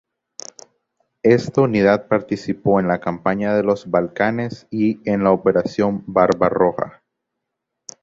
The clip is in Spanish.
Esta unidad participó en la campaña de los Balcanes y en la Operación Barbarroja.